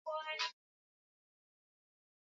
Uturuki na serikali ya Ottoman Njia ya waandishi